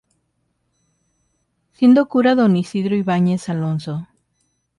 Siendo cura don Isidoro Ibáñez Alonso.